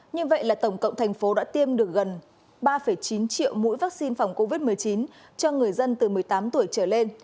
như vậy là tổng cộng thành phố đã tiêm được gần ba chín triệu mũi vaccine phòng covid một mươi chín cho người dân từ một mươi tám tuổi trở lên